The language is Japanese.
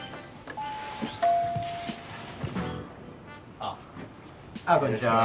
ああこんにちは。